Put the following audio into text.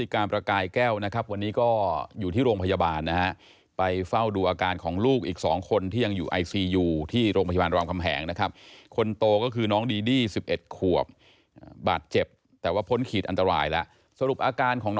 คนพวกนี้คงไม่มาเสียเวลานั่งฟังพระสวรรค์หรอกมั้ง